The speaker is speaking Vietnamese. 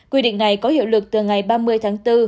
quy định này có hiệu lực từ ngày ba mươi tháng bốn